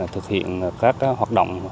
thực hiện các hoạt động